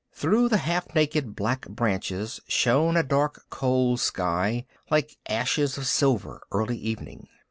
Through the half naked black branches shone a dark cold sky, like ashes of silver, early evening.